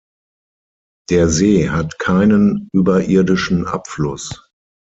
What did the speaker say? Der See hat keinen überirdischen Abfluss.